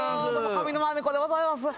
上沼恵美子でございます。